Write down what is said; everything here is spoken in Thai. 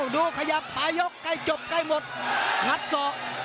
ดูขยับประยกใกล้จบใกล้หมดงัดสะ